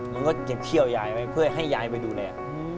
มันก็จะเที่ยวยายไว้เพื่อให้ยายไปดูแล